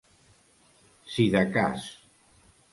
Si de cas.